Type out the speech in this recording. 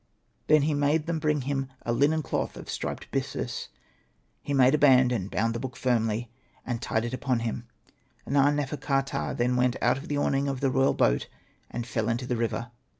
' Then he made them bring him a linen cloth of striped byssus ; he made a band, and bound the book firmly, and tied it upon him. Na.nefer.ka.ptah then went out of the awning of the royal boat and fell into the river.